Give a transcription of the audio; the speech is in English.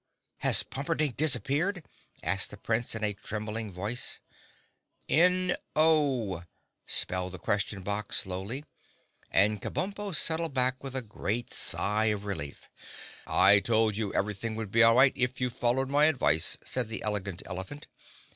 "Has Pumperdink disappeared?" asked the Prince, in a trembling voice. "N o," spelled the Question Box slowly, and Kabumpo settled back with a great sigh of relief. "I told you everything would be all right if you followed my advice," said the Elegant Elephant.